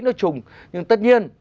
nó trùng nhưng tất nhiên